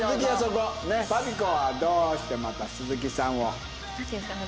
パピコはどうしてまた鈴木さんを？なんていうんですかね